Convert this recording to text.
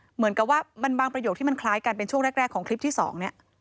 เหมือนกับว่ามันบางประโยคที่มันคล้ายกันเป็นช่วงแรกของคลิปที่๒เนี่ย